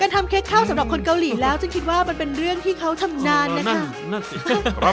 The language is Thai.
ทำเค้กเข้าสำหรับคนเกาหลีแล้วฉันคิดว่ามันเป็นเรื่องที่เขาทำนานนะคะนั่นสิค่ะ